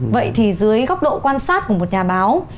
vậy thì dưới góc độ quan sát của một nhà báo